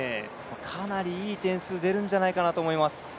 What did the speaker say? かなりいい点数出るんじゃないかなと思います。